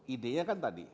ide nya kan tadi